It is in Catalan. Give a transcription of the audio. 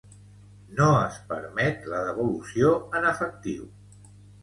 No es permet la devolució en efectiu